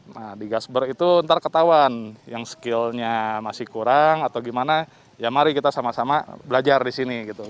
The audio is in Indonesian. nah di gasberg itu ntar ketahuan yang skillnya masih kurang atau gimana ya mari kita sama sama belajar di sini gitu